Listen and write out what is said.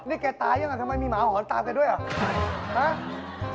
นี่แกตายยังไงทำไมมีหมาหอนตามแกด้วยเหรอ